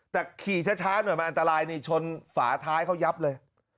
แต่ขี่ช้าหน่อยมันอันตรายนี่ชนฝาท้ายเขายับเลย